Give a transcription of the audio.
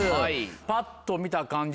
ぱっと見た感じ